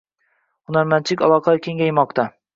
Hunarmandchilik aloqalari kengaymoqda